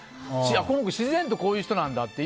この子自然とこういう人なんだって。